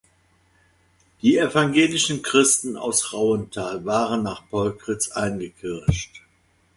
Die evangelischen Christen aus Rauenthal waren nach Polkritz eingekircht.